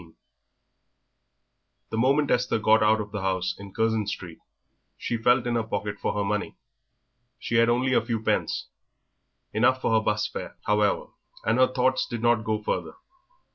XIX The moment Esther got out of the house in Curzon Street she felt in her pocket for her money. She had only a few pence; enough for her 'bus fare, however, and her thoughts did not go further.